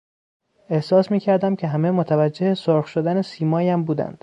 احساس میکردم که همه متوجه سرخ شدن سیمایم بودند.